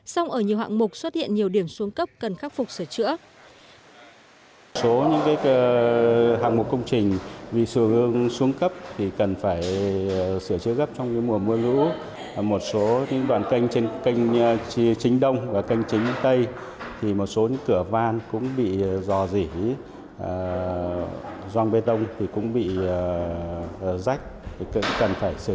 song ở nhiều hạng mục xuất hiện nhiều điểm xuống cấp cần khắc phục sửa chữa